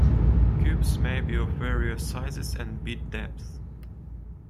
Cubes may be of various sizes and bit depths.